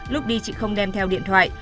lúc đi chị không đem theo điện thoại